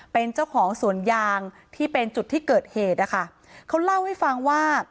เป็นเจ้าของสวนยางที่เป็นจุดที่เกิดเหตุนะคะเขาเล่าให้ฟังว่า